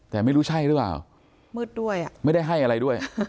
แต่ไม่รู้ใช่หรือเปล่ามืดด้วยอ่ะไม่ได้ให้อะไรด้วย